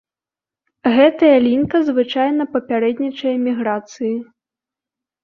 Гэтая лінька звычайна папярэднічае міграцыі.